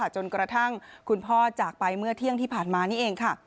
จนกระทั่งคุณพ่อจากไปเมื่อเที่ยงที่ผ่านมานี่เองค่ะ